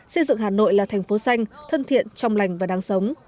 xây dựng hà nội là thành phố xanh thân thiện trong lành và đáng sống